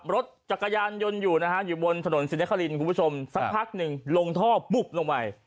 รถจักรยานยนต์อยู่นะฮะอยู่บนถนนศรีนครินทร์คุณผู้ชมสักพักหนึ่งลงท่อปุ๊บลงไป